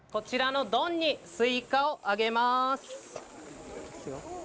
kami akan menambahkan suikah ke dalam don ini